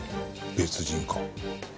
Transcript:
別人か。